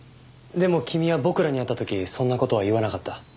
でも君は僕らに会った時そんな事は言わなかった。